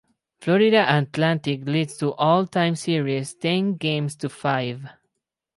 Florida Atlantic leads the all-time series ten games to five.